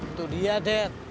itu dia dad